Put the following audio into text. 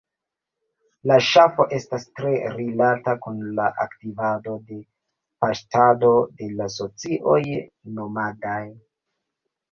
La ŝafo estas tre rilata kun la aktivado de paŝtado de la socioj nomadaj.